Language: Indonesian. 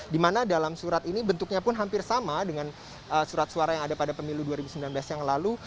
di mana dalam surat ini bentuknya pun hampir sama dengan surat suara yang ada pada pemilu dua ribu sembilan belas yang lalu